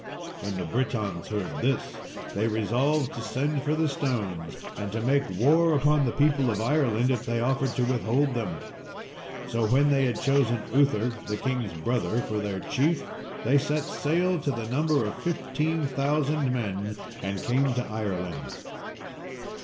When the Britons heard this, they resolved to send for the stones, and to make war upon the people of Ireland if they offered to withhold them. So, when they had chosen Uther the king's brother for their chief, they set sail, to the number of 15,000 men, and came to Ireland.